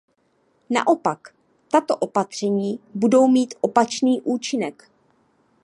Naopak, tato opatření budou mít opačný účinek.